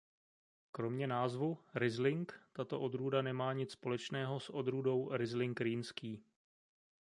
Kromě názvu "Ryzlink" tato odrůda nemá nic společného s odrůdou "Ryzlink rýnský".